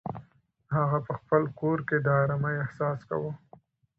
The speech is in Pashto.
هغه په خپل کور کې د ارامۍ احساس کاوه.